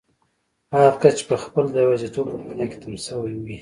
هغه کس چې پخپله د يوازيتوب په دنيا کې تم شوی وي.